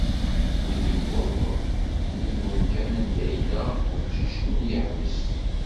Mi yewweḍ nnig umkan anda yella uqcic-nni, iḥbes.